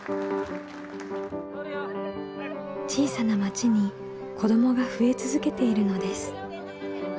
小さな町に子どもが増え続けているのです。